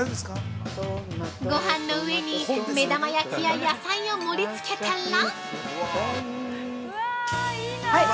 ◆ごはんの上に目玉焼きや野菜を盛りつけたら◆はい！